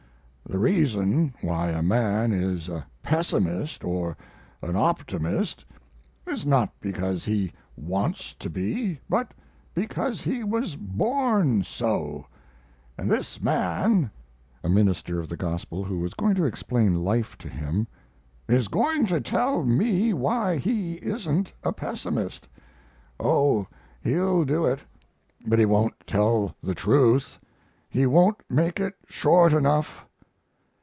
The reason why a man is a pessimist or an optimist is not because he wants to be, but because he was born so; and this man [a minister of the Gospel who was going to explain life to him] is going to tell me why he isn't a pessimist. Oh, he'll do it, but he won't tell the truth; he won't make it short enough."